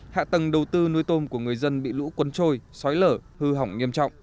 hạ tầng đầu tư nuôi tôm của người dân bị lũ quân trôi xói lở hư hỏng nghiêm trọng